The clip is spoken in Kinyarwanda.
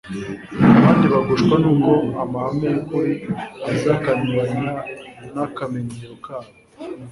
Abandi bagushwa n'uko amahame y'ukuri aza akanyuranya n'akamenyero kabo.